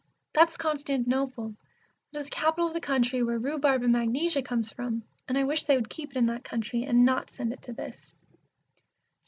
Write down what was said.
That's Constantinople, that is The capital of the country where rhubarb and magnesia comes from, and I wish they would keep it in that country, and not send it to this.